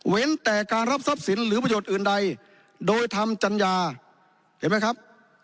แต่การรับทรัพย์สินหรือประโยชน์อื่นใดโดยทำจัญญาเห็นไหมครับ